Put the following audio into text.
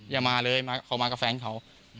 อย่ามาเลยเขามากับแฟนเขา